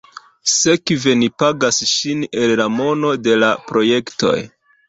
Sekve ni pagas ŝin el la mono de la projektoj.